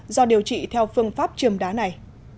do điều trị theo phương pháp trường đá này